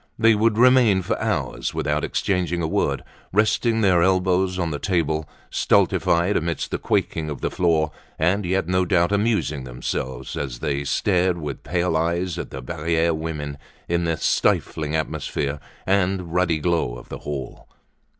They would remain for hours without exchanging a word, resting their elbows on the table, stultified amidst the quaking of the floor, and yet no doubt amusing themselves as they stared with pale eyes at the Barriere women in the stifling atmosphere and ruddy glow of the hall.